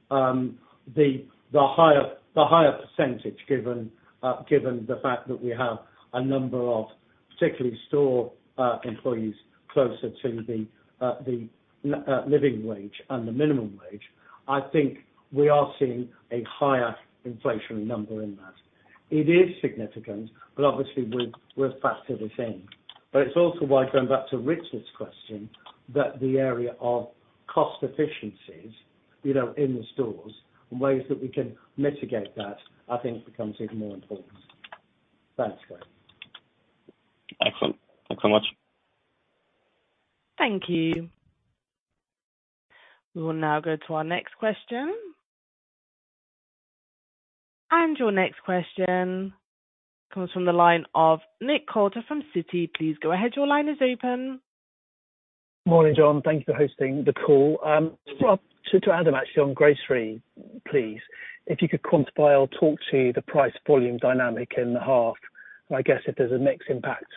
the higher percentage given the fact that we have a number of particularly store employees closer to the living wage and the minimum wage, I think we are seeing a higher inflationary number in that. It is significant, but obviously we factor this in, but it's also why, going back to Richard's question, that the area of cost efficiencies, you know, in the stores and ways that we can mitigate that, I think becomes even more important. Thanks, Gary. Excellent. Thanks so much. Thank you. We will now go to our next question. Your next question comes from the line of Nick Coulter from Citi. Please go ahead. Your line is open. Morning, John. Thank you for hosting the call. To add actually on grocery, please, if you could quantify or talk to the price volume dynamic in the half, I guess if there's a mix impact,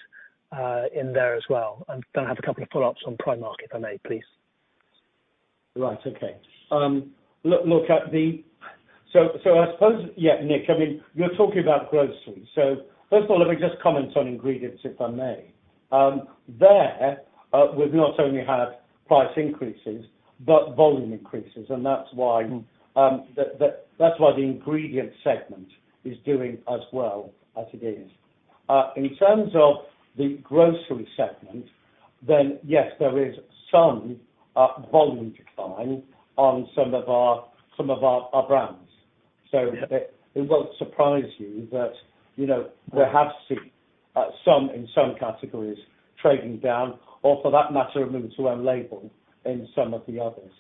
in there as well. I have a couple of follow-ups on Primark, if I may, please. Right. Okay. look at the I suppose, yeah, Nick, I mean, you're talking about grocery. First of all, let me just comment on ingredients, if I may. there, we've not only had price increases, but volume increases, and that's why. Mm. That's why the ingredient segment is doing as well as it is. In terms of the grocery segment, yes, there is some volume decline on some of our brands. Yeah. It won't surprise you that we have seen some categories trading down, or for that matter, a move to own label in some of the others.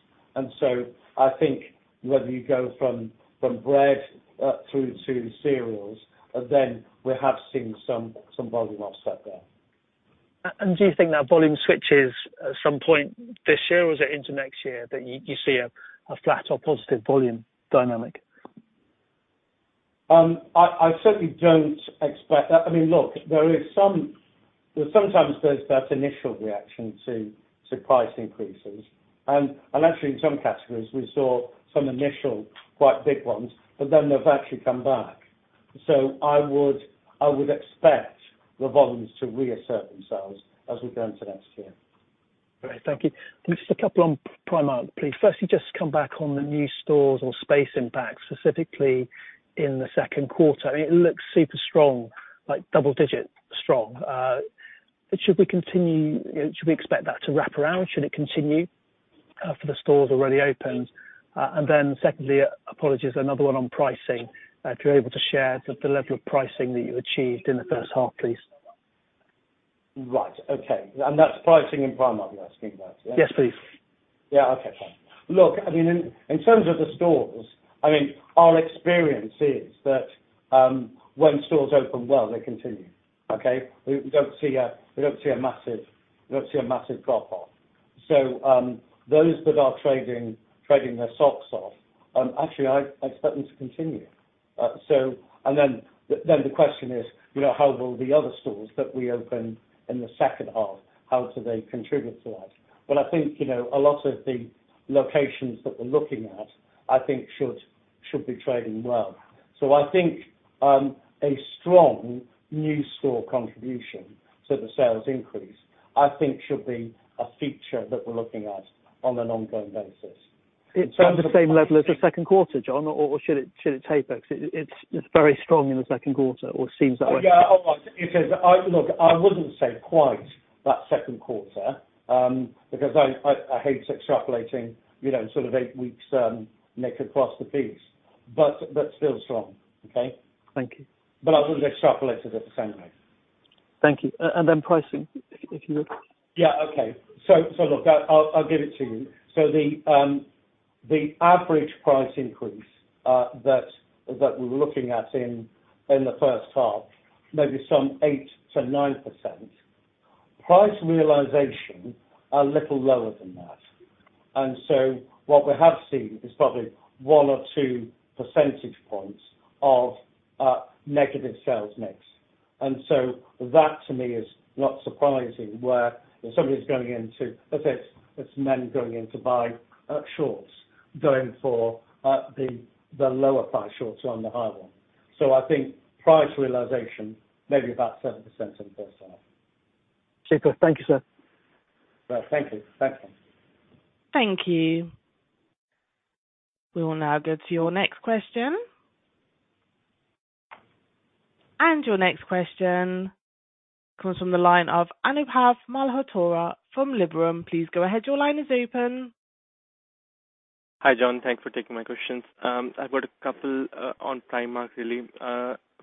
I think whether you go from bread through to cereals, then we have seen some volume offset there. Do you think that volume switches at some point this year or is it into next year that you see a flat or positive volume dynamic? I certainly don't expect that. I mean, look, Sometimes there's that initial reaction to price increases. Actually in some categories, we saw some initial quite big ones, but then they've actually come back. I would expect the volumes to reassert themselves as we go into next year. Great. Thank you. Just a couple on Primark, please. Firstly, just come back on the new stores or space impact, specifically in the second quarter. It looks super strong, like double-digit strong. Should we continue, should we expect that to wrap around? Should it continue for the stores already opened? Secondly, apologies, another one on pricing. If you're able to share the level of pricing that you achieved in the first half, please. Right. Okay. That's pricing in Primark you're asking about? Yes, please. Yeah. Okay, fine. Look, I mean, in terms of the stores, I mean, our experience is that, when stores open well, they continue. Okay? We don't see a massive drop-off. Those that are trading their socks off, actually, I expect them to continue. Then the question is how will the other stores that we open in the second half, how do they contribute to that? I think a lot of the locations that we're looking at, I think should be trading well. I think, a strong new store contribution to the sales increase, I think should be a feature that we're looking at on an ongoing basis. It's on the same level as the second quarter, John? Should it taper? 'Cause it's very strong in the second quarter, or seems that way. Yeah. It is. Look, I wouldn't say quite that second quarter, because I hate extrapolating, you know, sort of eight weeks, Nick, across the piece, but still strong. Okay? Thank you. I wouldn't extrapolate it the same way. Thank you. Then pricing, if you would. Yeah. Okay. look, I'll give it to you. The average price increase that we're looking at in the first half, maybe some 8%-9%. Price realization are a little lower than that. What we have seen is probably 1 or 2 percentage points of negative sales mix. That to me is not surprising where if somebody's going into, if it's men going in to buy shorts, going for the lower price shorts rather than the higher one. I think price realization may be about 7% in the first half. Super. Thank you, sir. Right. Thank you. Thanks. Thank you. We will now go to your next question. Your next question comes from the line of Anubhav Malhotra from Liberum. Please go ahead. Your line is open. Hi, John. Thanks for taking my questions. I've got a couple on Primark, really.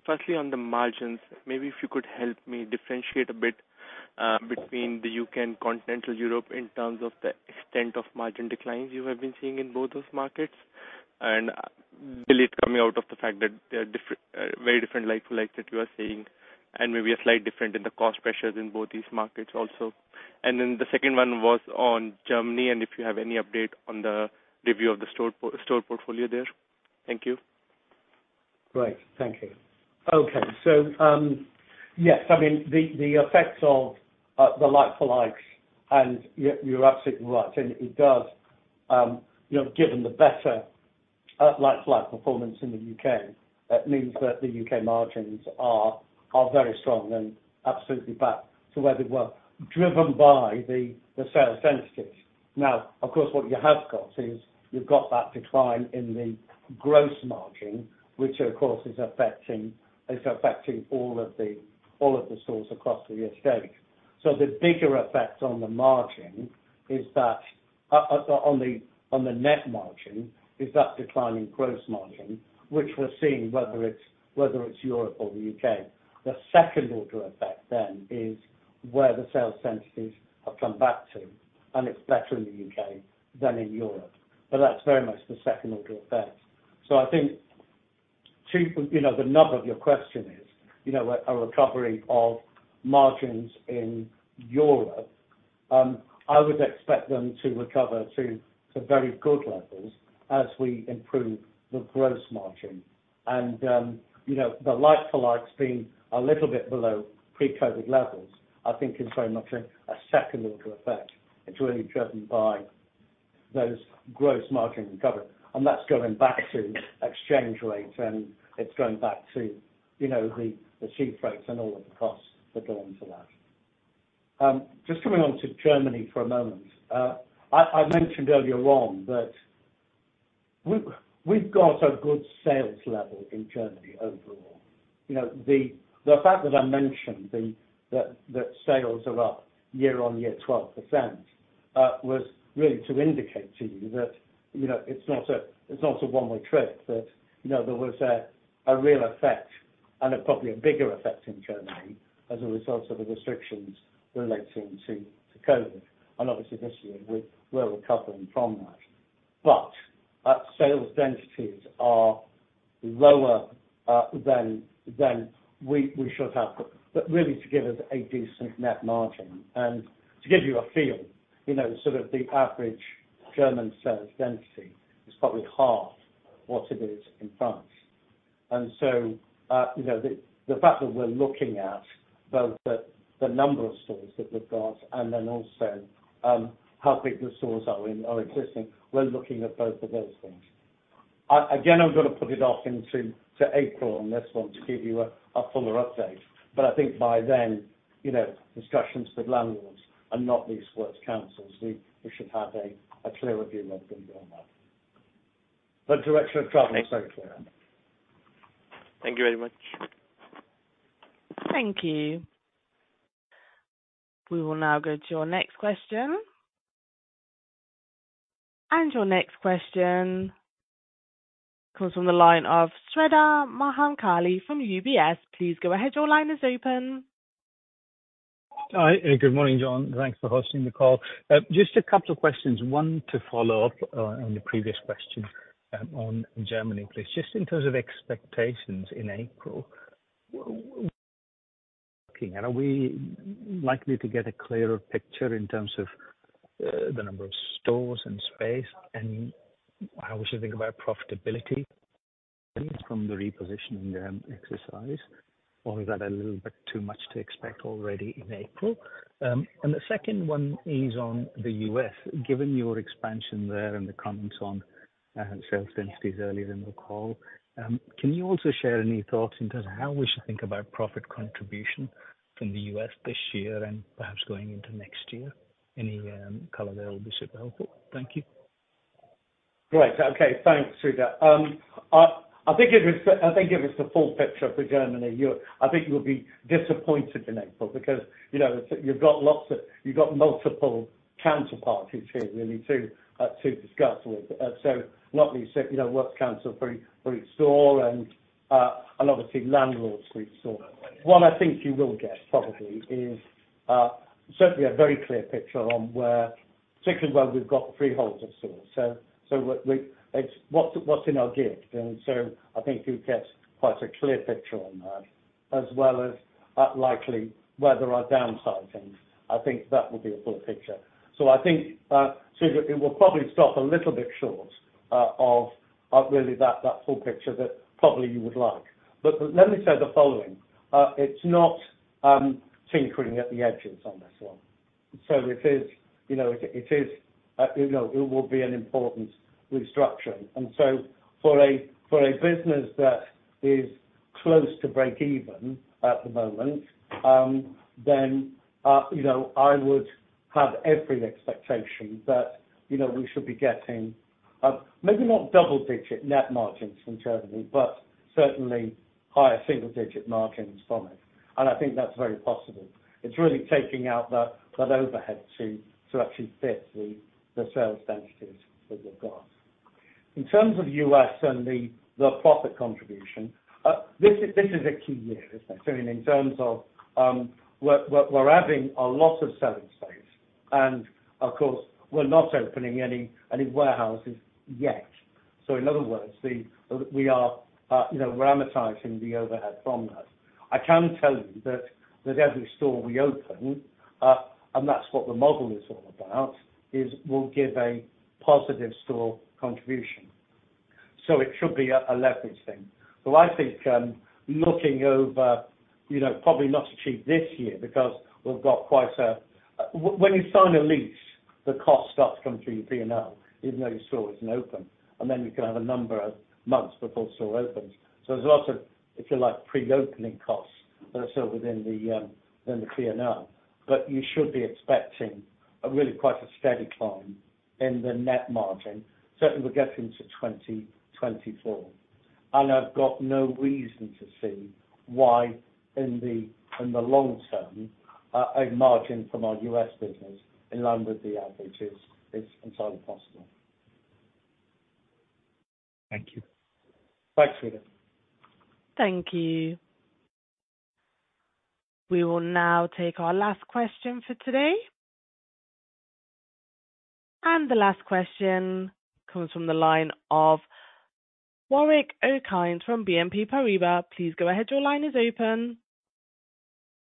Firstly, on the margins, maybe if you could help me differentiate a bit between the U.K. and Continental Europe in terms of the extent of margin declines you have been seeing in both those markets. Believe coming out of the fact that they are very different like-for-like that you are seeing, and maybe a slight different in the cost pressures in both these markets also. Then the second one was on Germany, and if you have any update on the review of the store portfolio there. Thank you. Great. Thank you. Okay. Yes, I mean, the effects of the like-for-likes, you're absolutely right. It does, you know, given the better like-for-like performance in the U.K., that means that the U.K. margins are very strong and absolutely back to where they were driven by the sales densities. Of course, what you have got is you've got that decline in the gross margin, which of course is affecting all of the stores across the U.K. The bigger effect on the margin is that on the net margin, is that decline in gross margin, which we're seeing whether it's Europe or the U.K. The second order effect then is where the sales densities have come back to. It's better in the U.K. than in Europe, that's very much the second order effect. To, you know, the nub of your question is a recovery of margins in Europe, I would expect them to recover to very good levels as we improve the gross margin. You know, the like-for-likes being a little bit below pre-COVID levels, I think is very much a secondary effect. It's really driven by those gross margin recovery. That's going back to exchange rates and it's going back to the sea freights and all of the costs that go into that. Just coming on to Germany for a moment. I mentioned earlier on that we've got a good sales level in Germany overall. You know, the fact that I mentioned that sales are up year on year 12%, was really to indicate to you that, you know, it's not a, it's not a one-way trip. You know, there was a real effect and a probably a bigger effect in Germany as a result of the restrictions relating to COVID. Obviously this year we're recovering from that. Sales densities are lower than we should have, but really to give us a decent net margin. To give you a feel, you know, sort of the average German sales density is probably half what it is in France. You know, the fact that we're looking at both the number of stores that we've got and then also, how big the stores are in our existing, we're looking at both of those things. Again, I'm gonna put it off to April on this one to give you a fuller update. I think by then, you know, discussions with landlords and not least works councils, we should have a clear review of things on that. The direction of travel is very clear. Thank you very much. Thank you. We will now go to your next question. Your next question comes from the line of Sreedhar Mahamkali from UBS. Please go ahead. Your line is open. Hi. Good morning, John. Thanks for hosting the call. Just a couple of questions. One, to follow up on the previous question on Germany, please. Just in terms of expectations in April, what are we looking? Are we likely to get a clearer picture in terms of the number of stores and space, and how we should think about profitability from the repositioning exercise? Or is that a little bit too much to expect already in April? The second one is on the U.S. Given your expansion there and the comments on sales densities earlier in the call, can you also share any thoughts in terms of how we should think about profit contribution from the U.S. this year and perhaps going into next year? Any color there will be super helpful. Thank you. Great. Okay. Thanks, Sreedhar. I think if it's the full picture for Germany, I think you'll be disappointed in April because, you know, you've got multiple counterparties here really to discuss with. Not least, you know, works council for each store and obviously landlords for each store. What I think you will get probably is certainly a very clear picture on where, particularly where we've got freeholds of stores. So what's in our gift. I think you'll get quite a clear picture on that, as well as likely where there are downsizings. I think that will be a full picture. I think sreedhar, it will probably stop a little bit short of really that full picture that probably you would like. Let me say the following. It's not tinkering at the edges on this one.It is, you know, it will be an important restructuring. For a business that is close to breakeven at the moment, then I would have every expectation that we should be getting, maybe not double-digit net margins from Germany, but certainly higher single-digit margins from it. I think that's very possible. It's really taking out that overhead to actually fit the sales densities that we've got. In terms of U.S. and the profit contribution, this is a key year, isn't it? In terms of, we're adding a lot of selling space and, of course, we're not opening any warehouses yet. In other words we are amortizing the overhead from that. I can tell you that every store we open, and that's what the model is all about, is we'll give a positive store contribution. It should be a leverage thing. I think, looking over, you know, probably not to achieve this year because we've got quite a. When you sign a lease, the cost starts to come through your P&L even though your store isn't open, and then you can have a number of months before the store opens. There's a lot of, if you like, pre-opening costs, sort of within the P&L. You should be expecting a really quite a steady climb in the net margin. Certainly we get into 2024. I've got no reason to see why in the long term, a margin from our U.S. business in line with the average is entirely possible. Thank you. Thanks, Sreedhar. Thank you. We will now take our last question for today. The last question comes from the line of Warwick Okines from BNP Paribas. Please go ahead. Your line is open.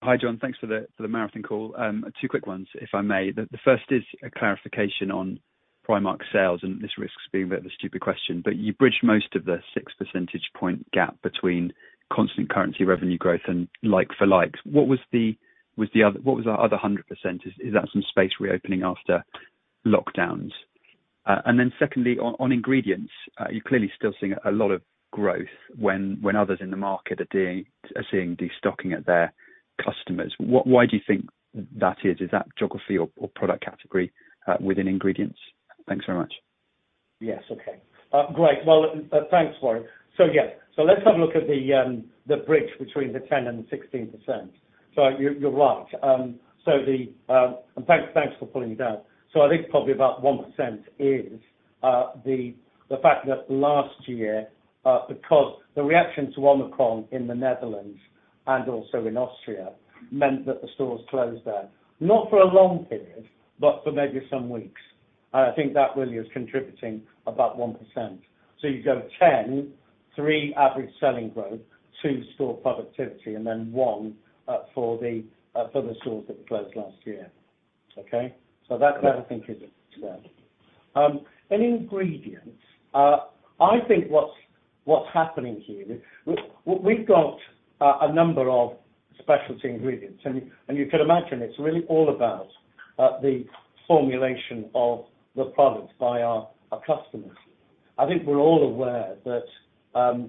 Hi, John. Thanks for the marathon call. Two quick ones if I may. The first is a clarification on Primark sales, and this risks being a bit of a stupid question, but you bridged most of the 6 percentage point gap between constant currency revenue growth and like-for-like. What was the other 100%? Is that some space reopening after lockdowns? Secondly, on ingredients, you're clearly still seeing a lot of growth when others in the market are seeing destocking at their customers. Why do you think that is? Is that geography or product category within ingredients? Thanks very much. Yes. Okay. Great. Well, thanks, Warwick. Yeah. Let's have a look at the bridge between the 10 and the 16%. You're right. Thanks for pulling it out. I think probably about 1% is the fact that last year, because the reaction to Omicron in the Netherlands and also in Austria meant that the stores closed there, not for a long period, but for maybe some weeks. I think that really is contributing about 1%. You go 10%, 3% average selling growth, 2% store productivity, and then 1% for the stores that closed last year. Okay? That's where I think is it. Ingredients, I think what's happening here, we've got a number of specialty ingredients and you can imagine it's really all about the formulation of the products by our customers. I think we're all aware that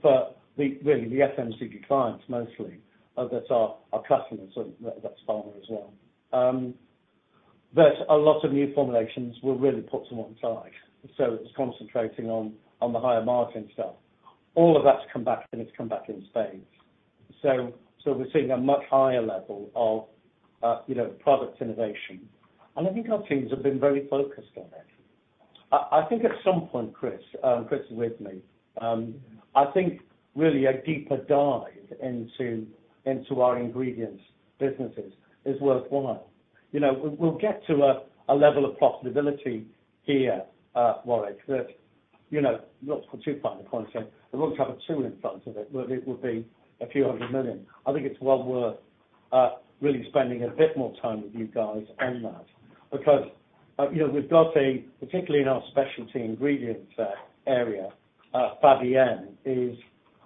for the really the FMCG clients mostly that are our customers, and that's pharma as well. That a lot of new formulations were really put to one side. It was concentrating on the higher margin stuff. All of that's come back, and it's come back in spades. We're seeing a much higher level of product innovation. I think our teams have been very focused on it. I think at some point, Chris is with me, I think really a deeper dive into our ingredients businesses is worthwhile. We'll get to a level of profitability here, Warwick, that not to put too fine a point on it, I'd love to have a two in front of it, where it would be a few hundred million. I think it's well worth really spending a bit more time with you guys on that because we've got a, particularly in our specialty ingredient area, Fabienne is,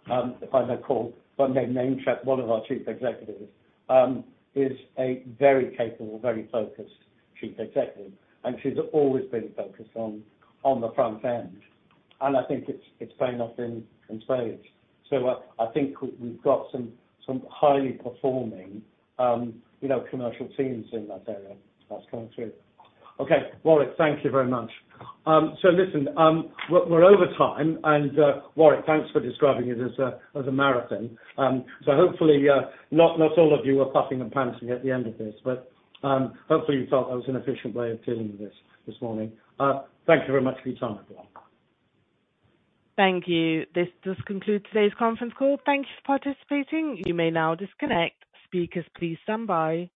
if I may call by name, one of our chief executives, is a very capable, very focused chief executive, and she's always been focused on the front end. I think it's paying off in spades. I think we've got some highly performing commercial teams in that area. That's coming through. Okay, Warwick, thank you very much. Listen, we're over time and, Warwick, thanks for describing it as a marathon. Hopefully, not all of you are puffing and panting at the end of this, but hopefully you felt that was an efficient way of dealing with this this morning. Thank you very much for your time, everyone. Thank you. This does conclude today's conference call. Thank you for participating. You may now disconnect. Speakers, please stand by.